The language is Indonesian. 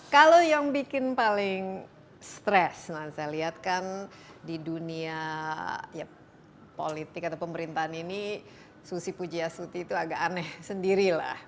kalau yang bikin paling stress nah saya lihat kan di dunia ya politik atau pemerintahan ini susi pujiastuti itu agak aneh sendiri lah